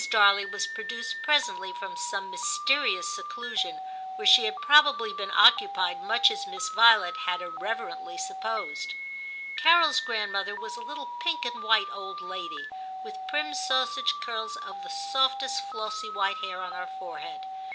Darley was produced presently from some mysterious seclusion, where she had probably been occupied much as Miss Violet 172 TIM CHAP. had irreverently supposed. Carol's grand mother was a little pink and white old lady, with prim sausage curls of the softest flossy white hair on her forehead.